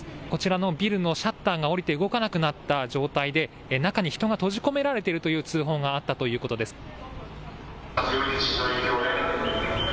こちらのビルのシャッターが下りて動かなくなった状態で中に人が閉じ込められているという通報があったということです。